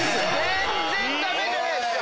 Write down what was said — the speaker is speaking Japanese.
全然ダメじゃないっすか！